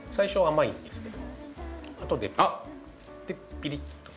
ピリッと。